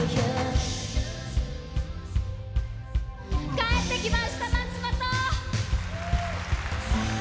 帰ってきました松本！